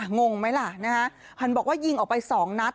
งงไหมล่ะนะฮะหันบอกว่ายิงออกไปสองนัด